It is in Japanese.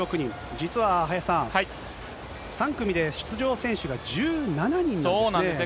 実は林さん、３組で出場選手が１７人なんですね。